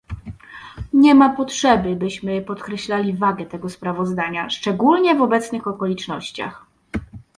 Nie ma potrzeby, byśmy podkreślali wagę tego sprawozdania, szczególnie w obecnych okolicznościach